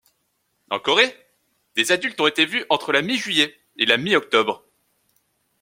En Corée, des adultes ont été vus entre la mi-juillet et la mi-octobre.